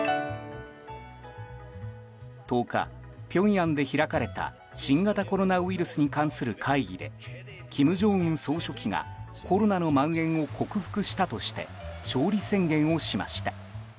１０日、ピョンヤンで開かれた新型コロナウイルスに関する会議で金正恩総理がコロナのまん延を克服したとして勝利宣言をしました。